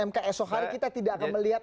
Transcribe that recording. mks sokari kita tidak akan melihat